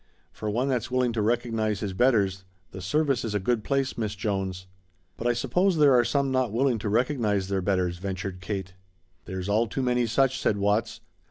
For one that's willing to recognize his betters, the service is a good place, Miss Jones." "But I suppose there are some not willing to recognize their betters," ventured Kate. "There's all too many such," said Watts.